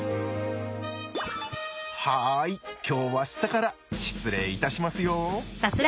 はい今日は下から失礼いたしますよ。